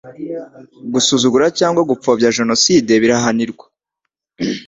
gusuzugura cyangwa gupfobya jenoside birahanirwa